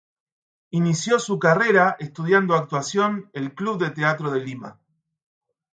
Inició su carrera estudiando actuación el Club de Teatro de Lima.